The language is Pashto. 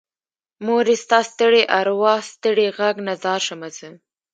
مورې ستا ستړي ارواه ستړې غږ نه ځار شمه زه